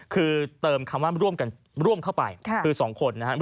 คือเติมคำว่าร่วมกันร่วมเข้าไปคือ๒คนนะครับ